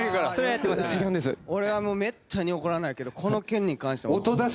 俺はめったに怒らないけどこの件に関しては。